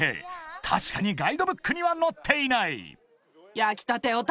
［確かにガイドブックには載っていない］